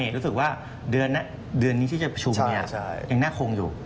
รู้สึกว่าเดือนนี้ที่จะประชุมยังน่าคงอยู่